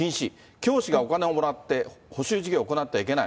教師がお金をもらって補習授業を行ってはいけない。